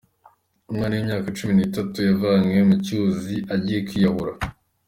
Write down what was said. Umwana w’imyaka cumi nitatu yavanywe mu cyuzi agiye kwiyahura